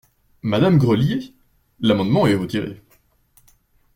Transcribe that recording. Madame Grelier ? L’amendement est retiré.